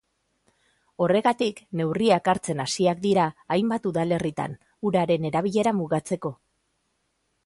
Horregatik, neurriak hartzen hasiak dira hainbat udalerritan, uraren erabilera mugatzeko.